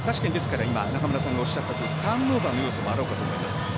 中村さんがおっしゃったターンオーバーの要素もあると思います。